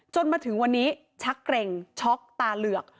จนถึงวันนี้ชักเกร็งช็อกตาเหลือก